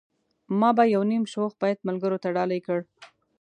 ما به يو نيم شوخ بيت ملګرو ته ډالۍ کړ.